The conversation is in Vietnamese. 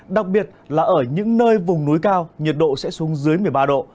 đặc biệt là ở những nơi vùng núi cao nhiệt độ sẽ xuống dưới một mươi ba độ